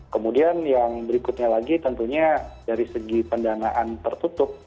kemudian yang berikutnya lagi tentunya dari segi pendanaan tertutup